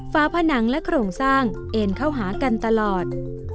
ฝนังและโครงสร้างเอ็นเข้าหากันตลอด